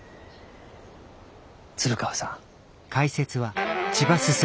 鶴川さん。